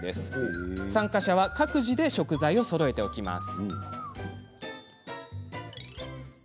参加者は、各自で食材をそろえておきます。